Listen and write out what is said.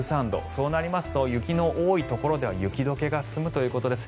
そうなりますと雪の多いところでは雪解けが進むということです。